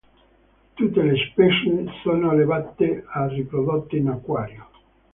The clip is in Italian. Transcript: Tutte le specie sono allevate e riprodotte in acquario.